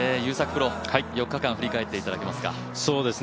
プロ４日間振り返っていただけますか？